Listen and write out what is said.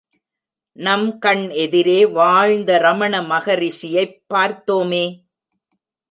நம் கண் எதிரே வாழ்ந்த ரமண மகிரிஷியைப் பார்த்தோமே.